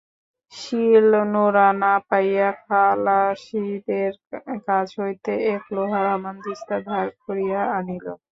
শিল-নোড়া না পাইয়া খালাসিদের কাছ হইতে এক লোহার হামানদিস্তা ধার করিয়া আনিল।